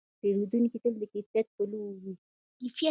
پیرودونکی تل د کیفیت پلوي وي.